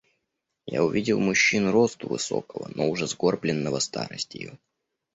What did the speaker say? Я увидел мужчину росту высокого, но уже сгорбленного старостию.